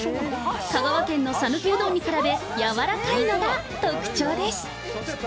香川県のさぬきうどんに比べ、軟らかいのが特徴です。